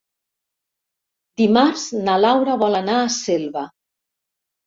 Dimarts na Laura vol anar a Selva.